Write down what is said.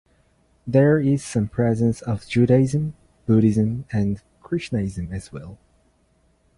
There is some presence of Judaism, Buddhism, and Krishnaism, as well.